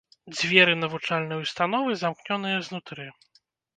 Дзверы навучальнай установы замкнёныя знутры.